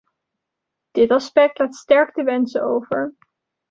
Dit aspect laat sterk te wensen over.